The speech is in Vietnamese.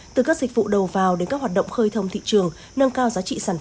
từ các dịch vụ đầu vào đến các hoạt động khơi thông thị trường